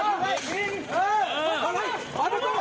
วันดีมันจะหลบโฟตต่อไหน